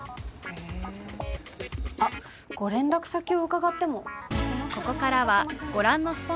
へぇあっご連絡先を伺っても？